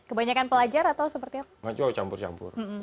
kebanyakan pelajar atau seperti apa